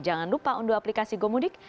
jangan lupa unduh aplikasi gomudik